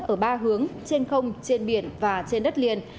ở ba hướng trên không trên biển và trên đất liền